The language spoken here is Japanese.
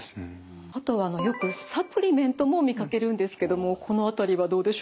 あとはあのよくサプリメントも見かけるんですけどもこの辺りはどうでしょうか。